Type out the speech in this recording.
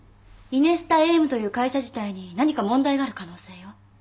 イネスタＡＭという会社自体に何か問題がある可能性よ。